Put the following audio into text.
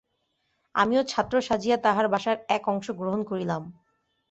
আমিও ছাত্র সাজিয়া তাহার বাসার এক অংশ গ্রহণ করিলাম।